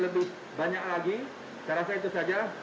lebih banyak lagi saya rasa itu saja